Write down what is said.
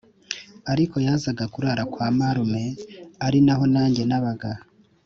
ariko yazaga kurara kwa marume ari naho nanjye nabaga